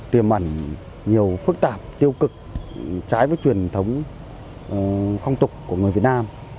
tiềm ẩn nhiều phức tạp tiêu cực trái với truyền thống không tục của người việt nam